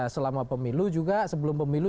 selama pemilu juga sebelum pemilu